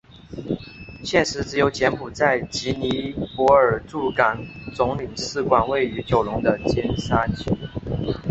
现时只有柬埔寨及尼泊尔驻港总领事馆位于九龙的尖沙咀。